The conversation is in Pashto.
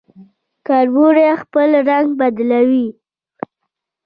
کربوړی خپل رنګ بدلوي